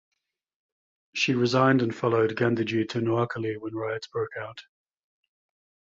She resigned and followed Gandhiji to Noakhali when riots broke out.